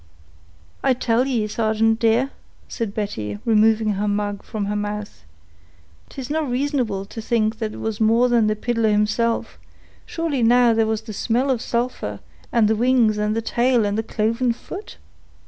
"I tell ye, sargeant dear," said Betty, removing the mug from her mouth, "'tis no r'asonable to think it was more than the piddler himself; sure now, where was the smell of sulphur, and the wings, and the tail, and the cloven foot?